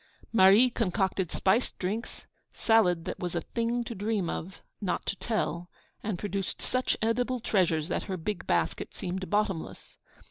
Marie concocted spiced drinks, salad that was a thing to dream of, not to tell, and produced such edible treasures that her big basket seemed bottomless.